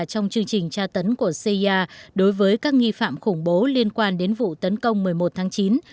trong chương trình tra tấn của cia đối với các nghi phạm khủng bố liên quan đến vụ tấn công một mươi một tháng chín